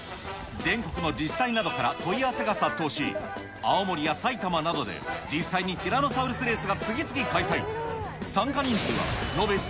全国の自治体などから問い合わせが殺到し、青森や埼玉などで実際にティラノサウルスレースが次々開催。